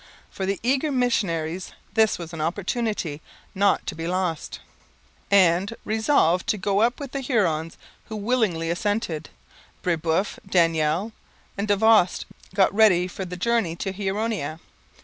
For the eager missionaries this was an opportunity not to be lost; and, resolved to go up with the Hurons, who willingly assented, Brebeuf, Daniel, and Davost got ready for the journey to Huronia.